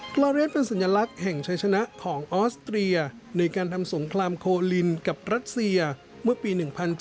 กล้อเรนเป็นสัญลักษณ์แห่งชายชนะของออสเตรียในการทำสงครามโคลินกับรัสเซียเมื่อปี๑๗